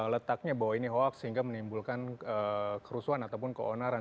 letaknya bahwa ini hoax sehingga menimbulkan kerusuhan ataupun keonaran